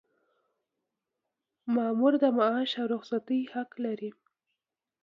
مامور د معاش او رخصتۍ حق لري.